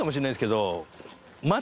けど